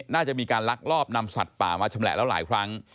น่าจะมีการลักลอบนำสัตว์ป่ามาชำแหละแล้วหลายครั้ง